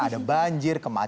ada banjir kemarin